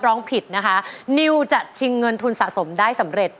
ล่มใจมาหน่อยนึงครับ